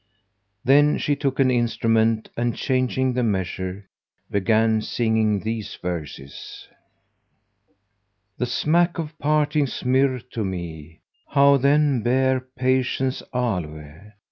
Then she took an instrument and, changing the measure, began singing these verses, "The smack of parting's myrrh to me, * How, then, bear patience' aloë?